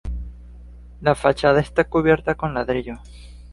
La fachada está cubierta con ladrillo.